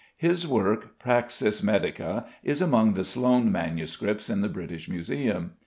His work "Praxis Medica" is among the Sloane Manuscripts in the British Museum.